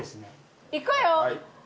いくわよ。